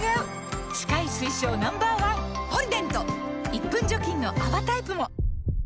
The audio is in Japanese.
１分除菌の泡タイプも！